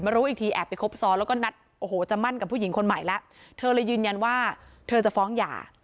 รู้อีกทีแอบไปคบซ้อนแล้วก็นัดโอ้โหจะมั่นกับผู้หญิงคนใหม่แล้วเธอเลยยืนยันว่าเธอจะฟ้องหย่า